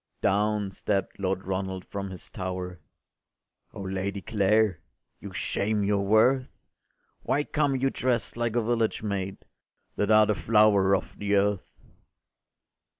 Down stept Lord Ronald from his tower: “O Lady Clare, you shame your worth! Why come you drest like a village maid, That are the flower of the earth?